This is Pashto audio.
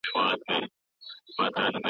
د ماشومانو ساتنه يې اخلاقي مسووليت باله.